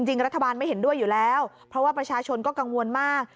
จริงรัฐบาลไม่เห็นด้วยอยู่แล้วเพราะว่าประชาชนก็กังวลมาก